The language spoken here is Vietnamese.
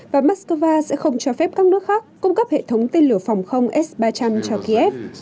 và moscow sẽ không cho phép các nước khác cung cấp hệ thống tên lửa phòng không s ba trăm linh cho kiev